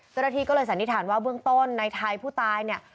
เจ้าหน้าที่ก็เลยสันนิษฐานว่าเบื้องต้นในไทยผู้ตายเนี่ย